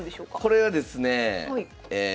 これはですねえ